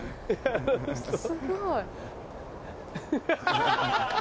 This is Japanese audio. すごい。